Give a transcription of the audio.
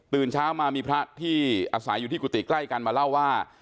เช้ามามีพระที่อาศัยอยู่ที่กุฏิใกล้กันมาเล่าว่า